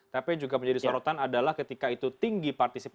tapi juga menjadi sorotan adalah ketika itu tinggi partisipasi